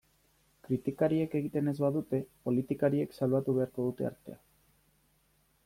Kritikariek egiten ez badute, politikariek salbatu beharko dute artea.